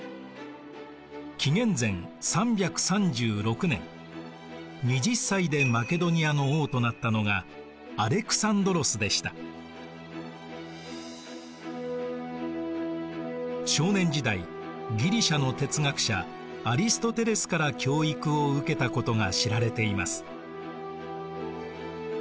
紀元前３３６年２０歳でマケドニアの王となったのが少年時代ギリシアの哲学者アリストテレスから教育を受けたことが知られています。